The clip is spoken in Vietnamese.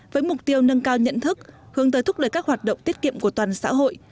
với mục tiêu nâng cao nhận thức hướng tới thúc đẩy các hoạt động tiết kiệm của toàn xã hội